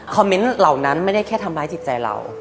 เมนต์เหล่านั้นไม่ได้แค่ทำร้ายจิตใจเรา